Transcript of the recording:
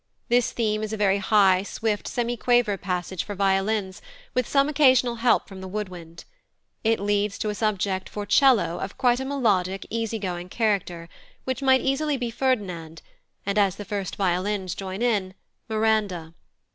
This theme is a very high, swift, semiquaver passage for violins, with some occasional help from the wood wind. It leads to a subject for 'cello of quite a melodic, easy going character, which might easily be Ferdinand, and, as the first violins join in, Miranda.